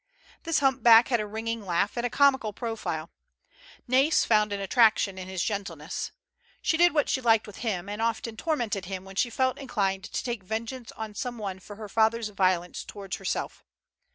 This humpback had a ringing laugh, and a comical profile. Na'is found an attraction in bis gentleness. She did what she liked with him, and often tormented him when she felt inclined to take vengeance on some one for her father's violence towards herself.